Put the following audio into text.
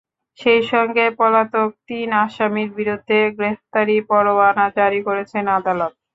সেই সঙ্গে পলাতক তিন আসামির বিরুদ্ধে গ্রেপ্তারি পরোয়ানা জারি করেছেন আদালত।